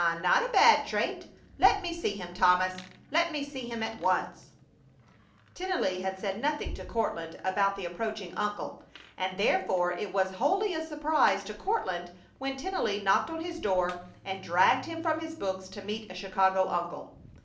Ah! Not a bad trait. Let me see him, Thomas! Let me see him at once!" Tennelly had said nothing to Courtland about the approaching uncle, and therefore it was wholly a surprise to Courtland when Tennelly knocked on his door and dragged him from his books to meet a Chicago uncle.